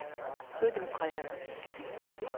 それでも帰らないといけない。